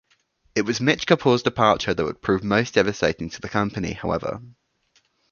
It was Mitch Kapor's departure that would prove most devastating to the company, however.